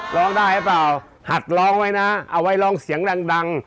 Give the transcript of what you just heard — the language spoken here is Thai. ร้องได้หรือเปล่าหัดร้องไว้นะเอาไว้ร้องเสียงดัง